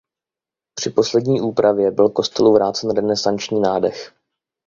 Při poslední úpravě byl kostelu vrácen renesanční nádech.